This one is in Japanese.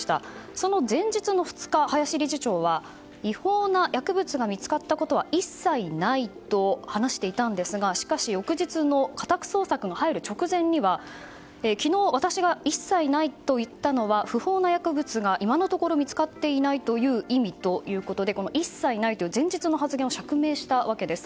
その前日の２日、林理事長は違法な薬物が見つかったことは一切ないと話していたんですがしかし、翌日の家宅捜索の入る直前には昨日、私が一切ないと言ったのは不法な薬物が今のところ見つかっていないという意味と一切ないという前日の発言を釈明したわけです。